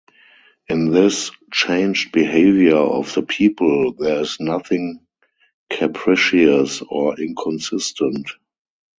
In this changed behavior of the people there is nothing capricious or inconsistent.